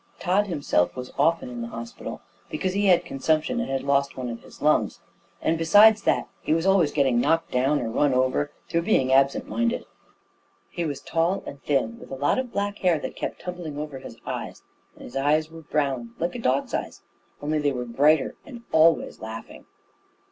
Tod himself was often in hospital, because he had consumption and had lost one of his lungs; and besides that he was always getting knocked down or run over, through being absent minded. He was tall and thin, with a lot of black hair that kept tumbling over his eyes, and his eyes were brown, like a dog's eyes, only they were brighter and always laughing.